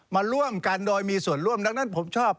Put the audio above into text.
มาร่วมกันโดยมีส่วนร่วมดังนั้นผมชอบ